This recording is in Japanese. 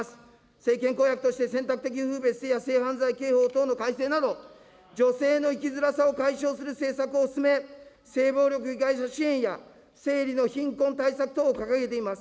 政権公約として選択的夫婦別姓や性犯罪刑法等の改正など、女性の生きづらさを解消する政策を進め、性暴力被害者支援や生理の貧困対策等を掲げています。